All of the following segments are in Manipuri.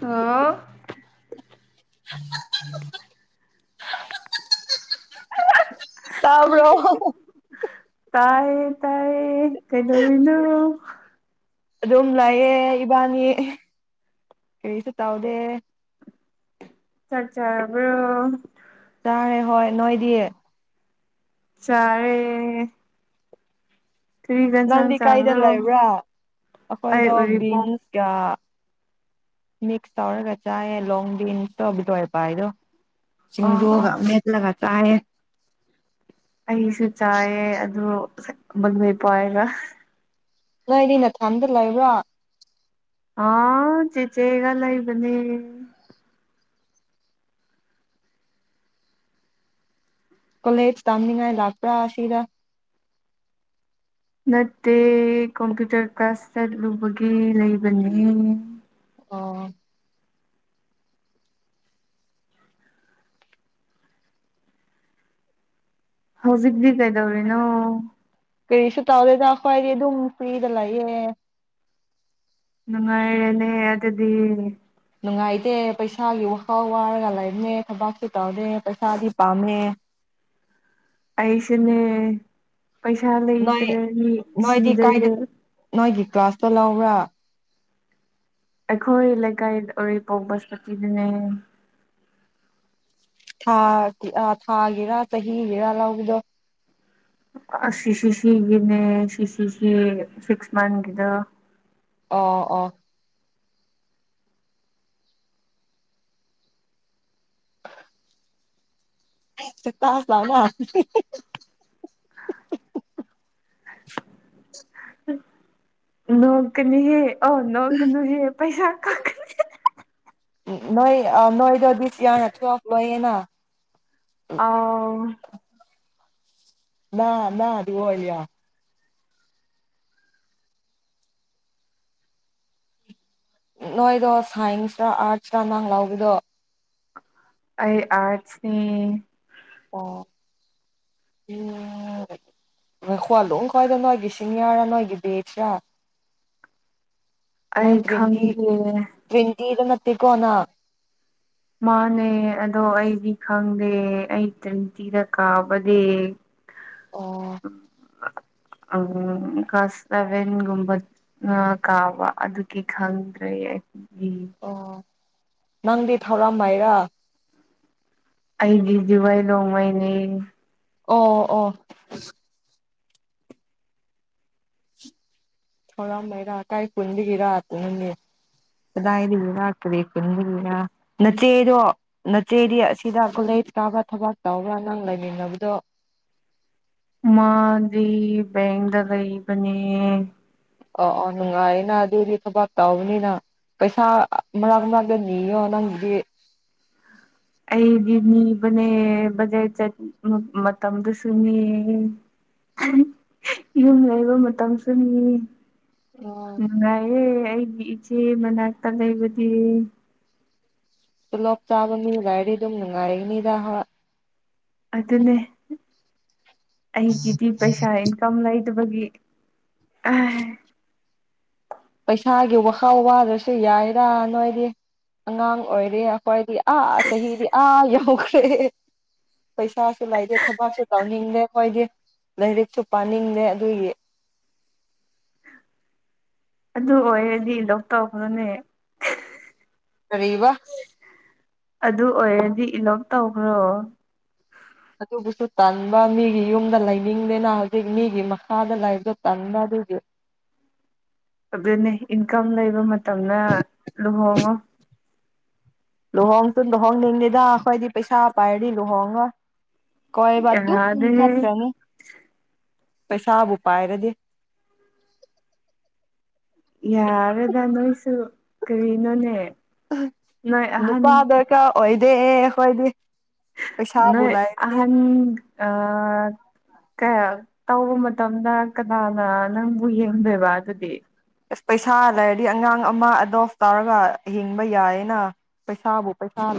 ꯍꯜꯂꯣ ꯑꯟꯏꯟꯇꯦꯜꯂꯤꯖꯦꯕꯜ ꯇꯥꯕ꯭ꯔꯣ ꯍꯍ ꯇꯥꯏꯌꯦ ꯇꯥꯏꯌꯦ ꯀꯩꯗꯧꯔꯤꯅꯣ ꯑꯗꯨꯝ ꯂꯩꯌꯦ ꯏꯕꯥꯅꯤ ꯑꯍꯦ ꯀꯔꯤꯁꯨ ꯇꯥꯎꯗꯦ ꯆꯥꯛ ꯆꯥꯔꯕ꯭ꯔꯣ ꯆꯥꯔꯦ ꯍꯣꯏ ꯅꯣꯏꯗꯤ ꯆꯥꯔꯦ ꯀꯔꯤ ꯌꯦꯟꯁꯥꯡ ꯅꯪꯗꯤ ꯀꯥꯏꯗ ꯆꯥꯕ꯭ꯔꯣ ꯂꯩꯕ꯭ꯔꯥ ꯑꯩ ꯑꯩꯈꯣꯏꯗꯣ ꯕꯤꯟ ꯎꯔꯤꯄꯣꯛ ꯀꯌꯥ ꯃꯤꯛꯁ ꯇꯧꯔꯒ ꯆꯥꯌꯦ ꯂꯣꯡꯕꯤꯟꯁꯇꯣ ꯕꯤꯗꯋꯥꯄꯥꯏꯗꯣ ꯑꯣ ꯑꯣ ꯁꯤꯡꯗꯨꯒ ꯃꯦꯠꯂꯒ ꯇꯥꯏꯌꯦ ꯑꯩꯁꯨ ꯆꯥꯏꯌꯦ ꯑꯗꯨ ꯕꯟꯗꯦꯄꯥꯏꯒ ꯅꯣꯏꯗꯤ ꯅꯊꯝꯗ ꯂꯩꯕ꯭ꯔꯥ ꯑ ꯆꯦꯆꯦꯒ ꯂꯏꯕꯅꯦ ꯀꯣꯂꯦꯖ ꯇꯝꯅꯤꯉꯥꯏ ꯂꯄ꯭ꯔꯥ ꯑꯁꯤꯁꯤꯔ ꯅꯠꯇꯦ ꯀꯝꯄ꯭ꯌꯨꯇꯔ ꯀ꯭ꯂꯥꯁ ꯆꯠꯂꯨꯕꯒꯤ ꯂꯩꯕꯅꯤ ꯑꯣ ꯍꯧꯖꯤꯒꯗꯒꯗꯧꯔꯤꯅꯣ ꯀꯔꯤꯁꯨ ꯇꯧꯔꯦꯗꯈ꯭ꯋꯥꯏꯗꯤ ꯑꯗꯨꯝ ꯐ꯭ꯔꯤꯗ ꯂꯥꯛꯑꯦ ꯅꯪꯦꯅꯦ ꯑꯗꯗꯤ ꯅꯨꯡꯉꯥꯏꯇꯦ ꯄꯩꯁꯥꯒꯤ ꯋꯥꯈꯥꯎ ꯋꯥꯔꯒ ꯂꯩꯔꯝꯃꯦ ꯊꯕꯛꯁꯨ ꯇꯧꯔꯦ ꯄꯩꯁꯥꯗꯤ ꯄꯥꯝꯃꯦ ꯑꯩꯏꯁꯅꯦ ꯄꯩꯁꯥꯑꯂ ꯅꯣꯏ ꯏꯗ꯭ꯔꯦꯅꯤ ꯅꯣꯏꯗꯤ ꯀꯥꯏꯗ ꯁꯤꯗꯒ ꯅꯣꯏꯒꯤ ꯀ꯭ꯂꯥꯁꯇ ꯂꯥꯎꯕ꯭ꯔꯥ ꯑꯩꯈꯣꯏ ꯂꯩꯀꯥꯏꯗ ꯎꯔꯤꯄꯣꯛ ꯕꯁꯄꯇꯤꯗꯨꯅꯦ ꯥ ꯊꯥꯒꯤꯦꯔꯥ ꯆꯍꯤꯒꯤꯦꯔꯥ ꯂꯧꯕꯗꯣ ꯁꯤꯁꯤꯁꯤꯒꯤꯅꯦ ꯁꯤꯁꯤꯁꯤ ꯁꯤꯛꯁ ꯃꯟꯊꯒꯤꯗ ꯑꯣ ꯑꯣ ꯁꯤꯠꯇ ꯁꯅꯥ ꯅꯣꯡꯀꯅꯤ ꯑ ꯅꯣꯡ ꯀ ꯅꯨꯨꯍꯌꯦ ꯄꯩꯁꯥ ꯀꯥꯅꯤ ꯅꯣꯏ ꯅꯣꯏꯗ ꯁ ꯌꯥꯆ ꯂꯏꯌꯦꯅ ꯑꯣ ꯅꯥꯅꯥ ꯑꯗꯨꯗꯤ ꯍ ꯅꯣꯏꯗꯣ ꯁꯥꯏꯟꯁꯇ ꯑꯥꯔꯠꯁꯇ ꯃꯥꯡ ꯂꯥꯎꯕꯗꯣ ꯑꯩ ꯑꯔꯠꯁꯅꯤ ꯑꯣ ꯈꯋꯥ ꯂꯨ ꯈꯋꯥꯗ ꯅꯣꯏꯒꯤ ꯁꯤꯅꯤꯌꯥ ꯅꯣꯏꯒꯤ ꯕꯦꯆ ꯑꯩ ꯈꯪꯗꯦ ꯇ ꯀꯣꯅ ꯃꯥꯅꯦ ꯑꯗꯣ ꯑꯩꯗꯤ ꯈꯪꯗꯦ ꯑꯩ ꯇ꯭ꯤꯟꯇꯤꯗ ꯀꯥꯕꯗꯤ ꯑꯣ ꯎꯝ ꯎꯝ ꯀꯥꯁꯕꯦꯟꯒꯨꯝꯕ ꯀꯥꯕ ꯑꯗꯨꯒꯤ ꯈꯪꯗ꯭ꯔꯦ ꯑꯣ ꯅꯪꯗꯤ ꯊꯧꯔꯝꯃꯥꯏꯔꯥ ꯑꯩꯗꯤꯗꯤꯋꯥꯏ ꯂꯣꯡꯃꯩꯅꯤ ꯑꯣ ꯑꯣ ꯊꯧꯔꯝ ꯃꯩꯔꯥ ꯀꯥꯏ ꯀꯨꯟꯗꯒꯤꯔꯥꯛꯄꯅꯅꯦ ꯀꯗꯥꯏꯗꯒꯤꯔ ꯀꯔꯤ ꯀꯨꯟꯗꯒꯤꯔ ꯅꯆꯦꯗꯣ ꯅꯆꯦꯗꯤ ꯑꯁꯤꯗ ꯀꯣꯂꯦꯖ ꯇꯥꯕ꯭ꯔ ꯊꯕꯛ ꯇꯕ꯭ꯔꯥ ꯅꯪ ꯂꯩꯃꯤꯟꯅꯕꯗꯣ ꯃꯥꯗꯤ ꯦꯡꯦꯡꯗꯔꯕꯅꯦ ꯑꯣ ꯑꯣ ꯅꯨꯡꯉꯥꯏꯅ ꯑꯗꯨꯗꯤ ꯊꯕꯛ ꯇꯕꯅꯤꯅ ꯄꯩꯁꯥ ꯃꯔꯛ ꯃꯔꯛꯇ ꯅꯤꯌꯣ ꯅꯪꯗꯤ ꯑꯩꯗꯤ ꯅꯤꯕꯅꯦ ꯕꯖꯔ ꯆꯠ ꯃꯇꯝꯗꯨꯁꯨꯅꯤ ꯌꯨꯝ ꯂꯩꯕ ꯃꯇꯝꯁꯨꯅꯤ ꯑꯥ ꯎ ꯑꯦꯦ ꯑꯩ ꯏꯆꯦ ꯃꯅꯦ ꯀ ꯂꯩꯕꯤ ꯇꯣꯂꯣꯞ ꯆꯥꯕ ꯃꯤꯒꯥꯏꯔꯗꯤ ꯑꯗꯨꯝ ꯅꯨꯡꯉꯥꯏꯒꯅꯤꯗ ꯍ ꯑꯗꯨꯅꯦ ꯑꯩ ꯀ ꯏ ꯇꯤ ꯄꯩꯁꯥ ꯏꯟꯀꯝ ꯂꯥꯏꯠꯕꯒꯤ ꯑ ꯄꯩꯁꯥꯒꯤ ꯋꯥꯈꯥꯎ ꯋꯥꯗ꯭ꯔꯁꯨ ꯌꯥꯏꯔꯥ ꯅꯣꯏꯗꯤ ꯑꯉꯥꯡ ꯑꯣꯏꯔꯦ ꯑꯩꯈꯣꯏꯗꯤ ꯑꯥ ꯆꯍꯤꯗꯤ ꯑꯥ ꯌꯎꯈ꯭ꯔꯦ ꯄꯩꯁꯥꯁꯨ ꯂꯩꯇꯦ ꯊꯕꯛꯁꯨ ꯇꯧꯅꯤꯡꯗꯦ ꯑꯩꯈꯣꯏꯗꯤ ꯂꯥꯏꯔꯤꯛꯁꯨ ꯄꯥꯅꯤꯡꯗꯦ ꯑꯗꯨꯒꯤ ꯑꯗꯨ ꯑꯣꯏꯔꯗꯤ ꯂꯧꯣꯛ ꯇꯧꯕꯗꯨꯅꯦ ꯀꯔꯤꯕ ꯑꯗꯨ ꯑꯣꯏꯔꯗꯤ ꯏꯂꯣꯞ ꯇꯧꯈ꯭ꯔꯣ ꯑꯗꯨꯕꯨꯁꯨ ꯇꯥꯟꯕ ꯃꯤꯒꯤ ꯌꯨꯝꯗ ꯂꯩꯅꯤꯡꯗꯦꯅ ꯍꯧꯖꯤꯛ ꯃꯤꯒꯤ ꯃꯈꯥꯗ ꯂꯥꯏꯕꯗ ꯇꯟꯕ ꯑꯗꯨꯒꯤ ꯑꯗꯨꯅꯦ ꯏꯟꯀꯝ ꯂꯩꯕ ꯃꯇꯝꯅ ꯂꯨꯍꯣꯡꯉꯣ ꯂꯨꯍꯣꯡ ꯇ ꯂꯨꯍꯣꯡꯅꯤꯡꯅꯤꯦꯗ ꯑꯩꯈꯣꯏꯗꯤ ꯄꯩꯁꯥ ꯄꯥꯏꯔꯗꯤ ꯂꯨꯍꯣꯡꯉ ꯀꯣꯏꯕꯗꯨ ꯌꯥꯔꯦ ꯁꯥꯇ꯭ꯔꯃꯨ ꯄꯩꯁꯥꯕꯨ ꯄꯥꯏꯔꯗꯤꯦ ꯌꯥꯔꯦꯗ ꯅꯣꯏꯁꯨ ꯀꯔꯤꯅꯣꯅꯦ ꯅꯣꯏ ꯑꯍꯟ ꯗ ꯍꯣꯏꯗꯤ ꯅꯣꯏ ꯑꯍꯥꯟ ꯀꯌꯥ ꯇꯧꯕ ꯃꯇꯝꯗ ꯀꯅꯥꯅ ꯅꯪꯕꯨ ꯌꯦꯡꯗꯣꯏꯕ ꯑꯗꯨꯗꯤ ꯑꯁ ꯄꯩꯁꯥ ꯂꯩꯔꯗꯤ ꯑꯉꯥꯡ ꯑꯃ ꯑꯦꯗꯣꯞ ꯇꯧꯔꯒ ꯍꯤꯡꯕ ꯌꯥꯏꯌꯦꯅ ꯄꯩꯁꯥꯕꯨ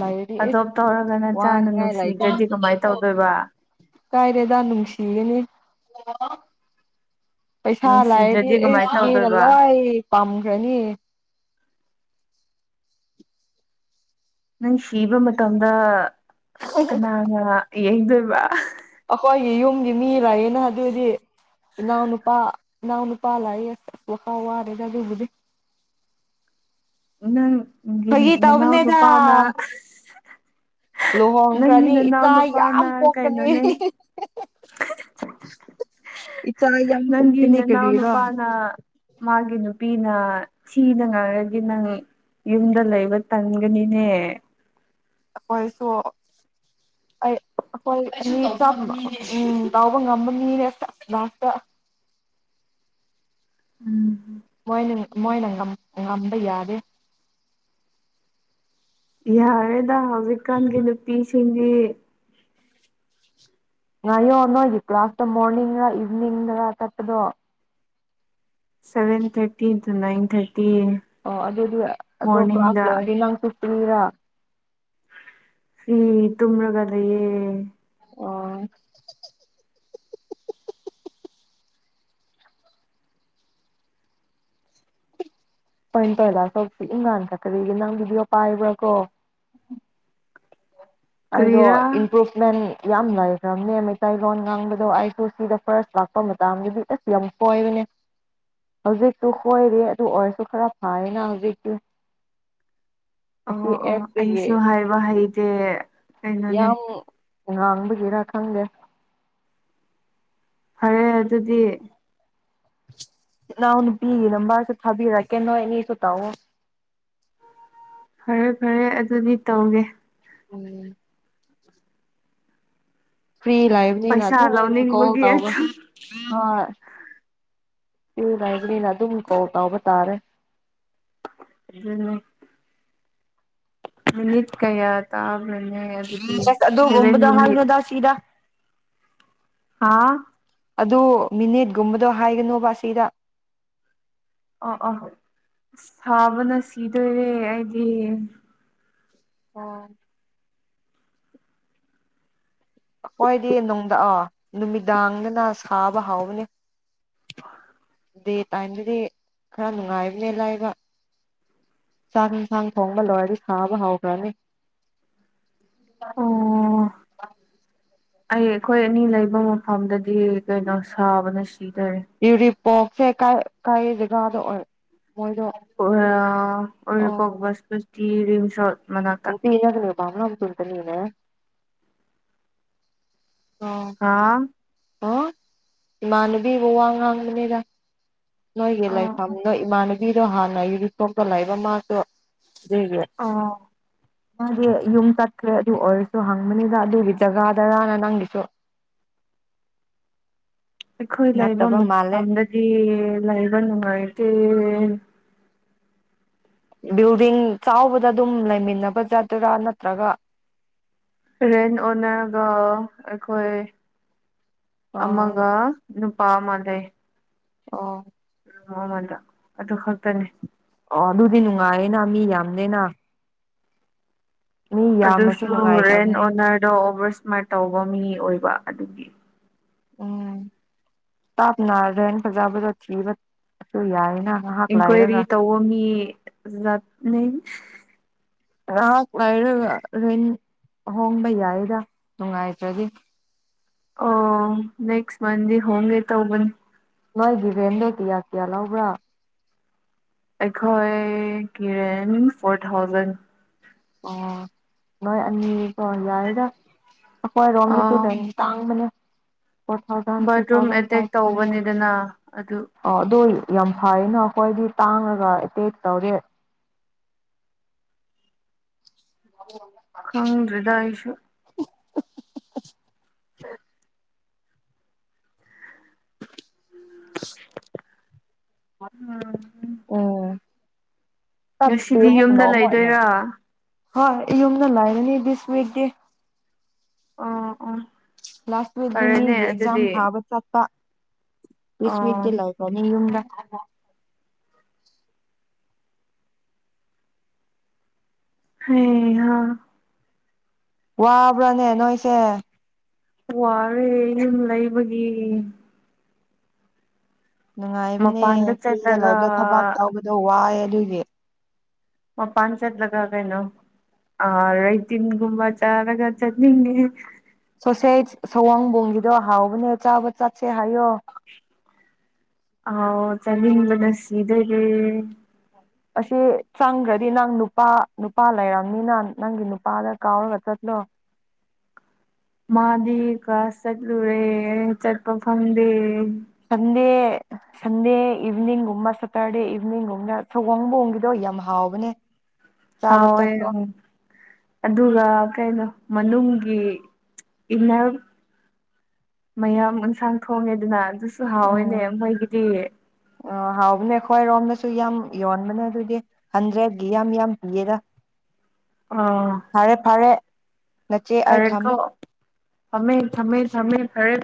ꯂꯩꯔꯗꯤ ꯏꯁ ꯑꯗꯣꯞ ꯇꯧꯔꯒ ꯅ ꯆꯥꯅ ꯋꯥꯅꯤꯡꯉꯥꯏ ꯅꯨꯡꯁꯤꯗ꯭ꯔꯗꯤ ꯀꯃꯥꯏꯅ ꯇꯧꯗꯣꯏꯕ ꯇꯥꯏꯔꯦꯗꯅꯅꯨꯡꯁꯤꯒꯅꯤ ꯄꯩꯁꯥ ꯂꯥꯛꯑꯗꯤ ꯅꯨꯡꯁꯤꯗ꯭ꯔꯗꯤ ꯑꯩ ꯀꯃꯥꯏꯅ ꯁꯤ ꯃꯤꯅ ꯇꯧꯗꯣꯏꯕ ꯂꯣꯏ ꯄꯥꯝꯈ꯭ꯔꯅꯤ ꯅꯪ ꯁꯤꯕ ꯃꯇꯝꯗ ꯀꯅꯥ ꯌꯦꯩꯗꯣꯏꯕ ꯑꯩꯈꯣꯏꯒꯤ ꯌꯨꯝꯒꯤ ꯃꯤ ꯂꯑ ꯗꯤ ꯍꯧꯗꯤ ꯏ ꯅꯅꯥꯎꯅ ꯄꯥ ꯏꯅꯥꯎꯅ ꯄꯥ ꯂꯥꯛ ꯂ ꯍꯥꯥꯎ ꯋꯥꯔꯦ ꯑꯗꯨꯕꯨꯗꯤ ꯎꯪ ꯒꯤ ꯐꯥꯒꯤ ꯅꯅꯥꯒ ꯇꯧꯕꯅꯦꯗ ꯄꯅ ꯂꯨꯍꯣꯡꯈ꯭ꯔꯅꯤ ꯏꯆꯥ ꯅꯨꯄꯥꯅ ꯌꯥꯝ ꯄꯣꯛꯀꯅꯤ ꯀꯩꯅꯣꯅꯦ ꯏꯆꯥ ꯌꯥꯝ ꯅꯪꯒꯤ ꯄꯣꯛꯀꯅꯤ ꯅꯅꯥꯎ ꯀꯔꯤꯔꯣ ꯅꯨꯄꯥꯅ ꯃꯥꯒꯤ ꯅꯨꯄꯤꯅ ꯁꯤꯅ ꯉꯥꯏꯔꯗꯤ ꯅꯪ ꯌꯨꯝꯗ ꯂꯩꯕ ꯇꯟꯒꯅꯤꯅꯦ ꯑꯩꯈꯣꯏꯁꯨ ꯑꯩ ꯑꯩꯈꯣꯏ ꯃꯤ ꯂꯥꯎꯕ ꯉꯝꯕꯅꯤꯅꯦ ꯂꯥꯁꯇ ꯎꯝ ꯃꯣꯏꯅ ꯃꯣꯏꯅ ꯉꯝꯕ ꯌꯥꯗꯦ ꯌꯥꯗ ꯄ ꯁꯤ ꯅ ꯌꯣꯅꯣ ꯀ꯭ꯂꯥꯁꯇ ꯃꯣꯔꯅꯤꯡ ꯔ ꯏꯚꯅꯤꯡ ꯔ ꯀꯠꯇꯗꯣ ꯁꯚꯦꯟ ꯊꯔꯇꯤ ꯅꯏꯟ ꯊꯔꯇꯤ ꯑꯣ ꯑꯗꯨꯗ ꯑꯗꯨꯣ ꯃꯣꯔꯅꯤꯡꯗ ꯀ꯭ꯂꯥꯁ ꯂꯪꯁꯨ ꯇꯔ ꯐ ꯇꯨꯃ꯭ꯔꯒ ꯂꯩꯌꯦ ꯑꯣ ꯄꯣꯏ ꯄꯂ ꯁꯁꯤ ꯏꯪꯒꯥꯥꯟ ꯈꯛ ꯀꯔꯤꯒꯦ ꯅꯪꯒꯤꯗꯤ ꯄꯥꯏꯕ꯭ꯔꯥ ꯀꯣ ꯑꯣ ꯀꯔꯤꯔꯥ ꯏꯝꯄ꯭ꯔꯨꯚꯃꯦꯟ ꯌꯥꯝ ꯂꯩꯥꯏꯈ꯭ꯔꯕꯅꯦ ꯃꯩꯇꯩꯂꯣꯟ ꯉꯥꯡꯕꯗꯣ ꯑꯩꯁꯨ ꯁꯤꯗ ꯐꯥꯔꯁ ꯂꯥꯛꯄ ꯃꯇꯝꯗꯗꯤ ꯑꯁ ꯌꯥꯝ ꯀꯣꯏꯕꯅꯦ ꯍꯧꯖꯤꯛꯇꯨ ꯈꯣꯏꯔꯦ ꯑꯗꯨ ꯑꯣꯏꯔꯁꯨ ꯈꯔ ꯐꯌꯦꯅ ꯍꯧꯖꯤꯛꯇꯤ ꯑꯁꯤ ꯑꯣ ꯑꯣ ꯑꯩꯁꯨ ꯍꯥꯏꯕ ꯍꯩꯇꯦ ꯀꯩꯅꯣꯅꯦ ꯌꯥꯎ ꯉꯥꯡꯕꯒꯤꯔ ꯈꯪꯗꯦ ꯐꯔꯦ ꯑꯗꯨꯗꯤ ꯏ ꯅꯅꯥꯎ ꯅꯨꯄꯤꯒꯤ ꯅꯨ ꯃꯥꯁꯨ ꯊꯥꯕꯤꯔꯛꯀꯦ ꯅꯣꯏ ꯑꯅꯤꯁꯨ ꯇꯧꯑꯣ ꯐꯔꯦ ꯐꯔꯦ ꯑꯗꯨꯗꯤ ꯇꯧꯒꯦ ꯎꯝ ꯐ꯭ꯔꯤ ꯂꯩꯕꯅꯤꯅ ꯄꯩꯁꯥ ꯑꯗꯨꯝ ꯀꯣꯜ ꯂꯧꯅꯤꯡꯕꯒꯤ ꯇꯧꯕ ꯑꯗꯨ ꯍꯣꯏ ꯏ ꯂꯕꯅꯤꯅ ꯑꯗꯨꯝ ꯀꯣꯜ ꯇꯥꯎꯕ ꯇꯥꯔꯦ [unintelligible] ꯃꯤꯅꯤꯠ ꯀꯩꯌꯥ ꯇꯕ ꯑꯗꯨꯗꯤ ꯑꯁ ꯁꯦꯕꯦꯟ ꯑꯗꯨꯒꯨꯝꯕꯗꯣ ꯃꯤꯅꯤꯠ ꯍꯥꯏꯅꯨꯗ ꯁꯤꯗ ꯍꯥꯥ ꯑꯗꯨ ꯃꯤꯅꯤꯠꯒꯨꯝꯕꯗꯣ ꯍꯥꯏꯒꯅꯣꯕ ꯑꯁꯤꯗ ꯑ ꯑ ꯑ ꯁꯥꯕꯅ ꯁꯤꯗꯣꯏꯔꯦ ꯑꯩꯗꯤ ꯑꯣ ꯍꯣꯏꯗꯤ ꯅꯨꯡꯗꯥ ꯅꯨꯃꯤꯗꯥꯡꯗꯅ ꯁꯥꯕ ꯍꯥꯎꯕꯅꯦ ꯗꯦ ꯇꯥꯏꯝꯗꯗꯤ ꯈꯔ ꯅꯨꯡꯉꯥꯏꯕꯅꯦ ꯂꯥꯏꯕ ꯆꯥꯛ ꯌꯦꯟꯁꯥꯡ ꯊꯣꯡꯕ ꯂꯣꯏꯔꯗꯤ ꯁꯥꯕ ꯍꯧꯈ꯭ꯔꯅꯤ ꯑꯣ [unintelligible] ꯑꯩ ꯑꯩꯈꯣꯏ ꯑꯅꯤ ꯂꯩꯕ ꯃꯐꯝꯗꯗꯤ ꯀꯩꯅꯣ ꯁꯥꯕꯅ ꯁꯤꯇꯥꯔꯦ ꯄꯁꯦ ꯀ ꯀꯔꯤ ꯖꯒꯥꯗ ꯑꯣꯏ ꯑꯣ ꯑꯣꯏ ꯄꯣꯛꯁ ꯇꯤꯔꯤꯝꯁꯠ [unintelligible] [unintelligible] ꯍꯥꯥ ꯑ ꯏꯃꯥꯟꯅꯕꯤꯕꯨ ꯋꯥ ꯉꯥꯡꯕꯅꯤꯗ ꯅꯣꯏꯒꯦ ꯂꯩꯥꯏ ꯑꯣ ꯐꯝꯗꯥ ꯏꯃꯥꯟ ꯕꯤꯔꯣ ꯍꯥꯟꯅ ꯌꯨꯅꯤꯐꯣꯔꯝꯗ ꯂꯩꯏꯕ ꯃꯥꯗꯣ ꯑꯟꯏꯟꯇꯦꯜꯂꯤꯖꯦꯕꯜ ꯑꯣ ꯅꯪꯗꯤ ꯌꯨꯝ ꯆꯠꯈ꯭ꯔꯦ ꯑꯗꯨ ꯑꯣꯏꯔꯁꯨ ꯍꯪꯕꯅꯤꯗ ꯑꯗꯨꯒꯤ ꯖꯒꯥꯗꯔꯅ ꯅꯪꯒꯤ ꯗꯣ ꯑꯩꯈꯣꯏ ꯂꯩꯕ ꯃꯇꯝꯗꯗꯤ ꯂꯩꯕ ꯅꯨꯡꯉꯥꯏꯇꯦ ꯕꯤꯜꯗꯤꯡ ꯆꯥꯎꯕꯗ ꯑꯗꯨꯝ ꯂꯩꯃꯤꯟꯅꯕ ꯖꯥꯠꯇꯨꯔꯥ ꯅꯠꯇ꯭ꯔꯒ ꯔꯦꯟ ꯑꯣꯏꯅꯒ ꯑꯩꯈꯣꯏ ꯑꯥ ꯑꯃꯒ ꯅꯨꯄꯥ ꯃꯥꯟꯗꯦ ꯑꯣ ꯑꯃꯗ ꯑꯗꯨ ꯈꯛꯇꯅꯦ ꯑꯣ ꯑꯗꯨꯗꯤ ꯅꯨꯡꯉꯥꯏꯌꯦꯅ ꯃꯤ ꯌꯥꯝꯅꯦꯅ ꯑꯗꯨꯁꯨ ꯔꯦꯟ ꯅꯨꯡꯉꯥꯏꯇꯕꯅꯦ ꯑꯣꯅꯔꯗꯣ ꯑꯣꯚꯔ ꯏꯁꯃꯥꯔꯠ ꯇꯧꯕ ꯃꯤ ꯑꯣꯏꯕ ꯑꯗꯨꯒꯤ ꯎꯝ ꯇꯥꯞꯅ ꯔꯦꯟꯇ ꯐꯖꯥꯕꯗ ꯊꯤꯕꯁꯨ ꯌꯥꯏꯌꯦ ꯏꯟꯀ꯭ꯋꯥꯏꯔꯤ ꯇꯧ ꯃꯤ ꯅꯠꯅꯤ ꯉꯍꯥꯛ ꯂꯩꯔꯒ ꯔꯦꯟꯇ ꯍꯣꯡꯕ ꯌꯥꯏꯗ ꯅꯨꯡꯉꯥꯏꯇ꯭ꯔꯗꯤ ꯑꯣ ꯅꯦꯛꯁ ꯃꯟꯗꯩ ꯍꯣꯡꯅꯦ ꯇꯧꯕꯅꯤ ꯅꯣꯏꯒꯤ ꯔꯦꯟꯗꯣ ꯀꯤꯌꯥ ꯀꯌꯥ ꯂꯧꯕ꯭ꯔꯥ ꯑꯩꯈꯣꯏ ꯀ꯭ꯂꯦꯃꯤꯡꯁ ꯐꯣꯔ ꯊꯥꯎꯖꯟ ꯑꯣ ꯅꯣꯏ ꯑꯅꯤ ꯑꯣ ꯌꯥꯔꯤꯗ ꯑꯩꯈꯣꯏꯔꯣꯝꯒꯤ ꯑꯥ ꯇꯨꯗ ꯇꯥꯡꯕꯅꯦ ꯕꯥꯠꯔꯨꯝ ꯑꯦꯇꯦꯛ ꯇꯧꯕꯅꯤꯗꯅ ꯑꯗꯨ ꯑꯟꯏꯟꯇꯦꯜꯂꯤꯖꯦꯕꯜ ꯌꯥꯝ ꯐꯩꯅ ꯑꯩꯈꯣꯏꯗꯤ ꯇꯥꯡꯉꯒ ꯑꯦꯇꯦꯛ ꯇꯧꯗꯦ ꯈꯪꯗꯔꯤꯗꯥ ꯑꯩꯁꯨ ꯍꯍꯍꯍ ꯑꯟꯑꯣꯗꯤꯕꯜ ꯎꯝ ꯍꯥꯑ ꯉꯁꯤꯗꯤ ꯆꯠꯄꯤꯌꯨ ꯌꯨꯝꯗ ꯂꯩꯗꯣꯏꯔꯣ ꯍꯣꯏ ꯌꯨꯝꯗ ꯂꯥꯏꯔꯅꯤ ꯕꯤꯁ ꯋꯤꯛꯇꯤ ꯑꯣ ꯑꯣ ꯂꯥꯁ ꯋꯤꯛꯗꯤ ꯐꯔꯦꯅꯦ ꯃꯤꯒꯤ ꯑꯦꯛꯖꯥꯝ ꯑꯗꯨꯗꯤ ꯊꯥꯕ ꯆꯠꯄ ꯗꯤꯁ ꯋꯤꯛꯇꯤ ꯑꯣ ꯂꯩꯒꯅꯤ ꯌꯨꯝꯗ ꯑꯟꯏꯟꯇꯦꯜꯂꯤꯖꯦꯕꯜ ꯍꯩꯍꯥ ꯋꯥꯕ꯭ꯔꯥꯅꯦ ꯅꯣꯏꯁꯦ ꯋꯥꯔꯦ ꯌꯨꯝ ꯂꯩꯕꯒꯤ ꯅꯨꯡꯉꯥꯏꯕꯅꯦ ꯃꯄꯥꯟꯗ ꯐ꯭ꯔꯤꯗ ꯆꯠꯂꯒ ꯂꯥꯏꯕꯇꯣ ꯊꯕꯛ ꯇꯧꯕꯗꯣ ꯋꯥꯏꯌꯦ ꯑꯗꯨꯒꯤ ꯃꯄꯥꯟ ꯆꯠꯂꯒ ꯀꯩꯅꯣ ꯑ ꯔꯥꯏꯇꯤꯟꯒꯨꯝꯕ ꯆꯥꯔꯒ ꯆꯠꯅꯤꯡꯉꯦ ꯁꯣꯁꯦꯁ ꯁꯥꯋꯣꯝꯕꯣꯡꯒꯤꯗꯣ ꯍꯥꯎꯕꯅꯦ ꯆꯥꯕ ꯆ ꯁꯦ ꯍꯥꯏꯌꯣ ꯍꯥꯎ ꯆꯥꯅꯤꯡꯕꯅ ꯁꯤꯗꯣꯔꯦ ꯑꯁꯤ ꯆꯪꯒꯔ꯭ꯗꯤ ꯅꯪ ꯅꯨꯄꯥ ꯅꯨꯄꯥ ꯂꯩꯔꯝꯅꯤꯅ ꯅꯪꯒꯤ ꯅꯨꯄꯥꯗ ꯀꯥꯎꯔꯒ ꯆꯠꯂꯣ ꯃꯥꯗꯤ ꯒꯥꯁ ꯆꯠꯂꯨꯔꯦ ꯆꯠꯄ ꯐꯪꯗꯦ ꯁꯟꯗꯦ ꯁꯟꯗꯦ ꯏꯚꯤꯅꯤꯡꯒꯨꯝꯕ ꯁꯦꯇꯔꯗꯦ ꯏꯚꯤꯅꯤꯡꯒꯨꯝꯕꯅ ꯁꯋꯣꯝꯕꯣꯡꯒꯤꯗꯣ ꯌꯥꯝ ꯍꯥꯎꯕꯅꯦ ꯆꯥꯕ ꯍꯥꯎꯋꯦ ꯆꯠꯂꯣ ꯑꯗꯨꯒ ꯀꯩꯅꯣ ꯃꯅꯨꯡꯒꯤ ꯏꯟꯅꯔ ꯃꯌꯥꯝ ꯑꯦꯟꯁꯥꯡ ꯊꯣꯡꯉꯦꯗꯅꯥ ꯑꯗꯨꯅ ꯎꯝ ꯍꯥꯎꯋꯦꯅꯦ ꯃꯣꯏꯒꯤꯗꯤ ꯁꯨ ꯌꯥꯝ ꯌꯣꯟꯕꯅ ꯑꯗꯨꯗꯤ ꯍꯟꯗ꯭ꯔꯦꯠꯀꯤ ꯌꯥꯝ ꯌꯥꯝ ꯄꯤꯔꯒ ꯑꯥ ꯐꯔꯦ ꯐꯔꯦ ꯅꯆꯦ ꯑꯩ ꯊꯝꯃꯦ ꯐꯔꯦꯀꯣ ꯊꯝꯃꯦ ꯊꯝꯃꯦ ꯊꯝꯃꯦ ꯐꯔꯦ